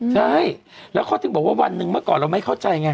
ใช่แล้วเขาถึงบอกว่าวันหนึ่งเมื่อก่อนเราไม่เข้าใจไง